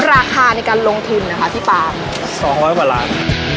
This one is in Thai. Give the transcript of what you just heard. ราคาในการลงทุนนะคะพี่ปาม๒๐๐กว่าล้าน